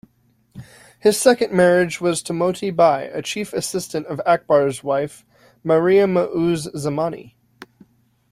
His second marriage was to Moti Bai, a chief assistant of Akbar's wife, Mariam-uz-Zamani.